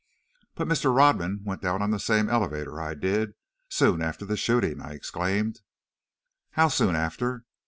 "But Mr. Rodman went down on the same elevator I did, soon after the shooting," I exclaimed. "How soon after?"